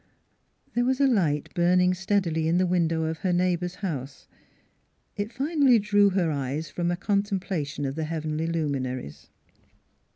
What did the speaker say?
There was a light burning steadily in the win dow of her neighbor's house; it finally drew her eyes from a contemplation of the heavenly luminaries.